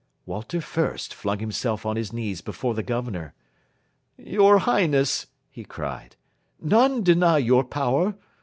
Walter Fürst flung himself on his knees before the Governor. "Your Highness," he cried, "none deny your power.